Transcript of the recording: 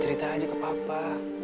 cerita aja ke papa